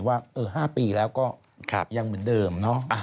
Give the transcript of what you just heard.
ว่า๕ปีแล้วก็ยังเหมือนเดิมเนอะ